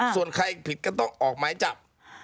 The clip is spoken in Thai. ส่วนใครผิดก็ต้องออกหมายจับ